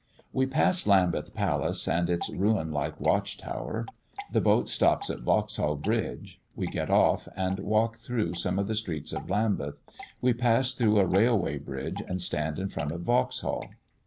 We pass Lambeth Palace and its ruin like watch tower. The boat stops at Vauxhall bridge. We get off, and walk through some of the streets of Lambeth; we pass under a railway bridge, and stand in front of Vauxhall.